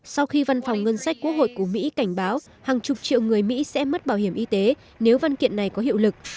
sau khi văn phòng ngân sách quốc hội của mỹ cảnh báo hàng chục triệu người mỹ sẽ mất bảo hiểm y tế nếu văn kiện này có hiệu lực